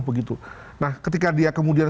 begitu nah ketika dia kemudian